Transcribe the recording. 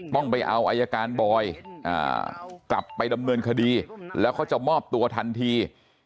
ต้องไปเอาอายการบอยกลับไปดำเนินคดีแล้วเขาจะมอบตัวทันที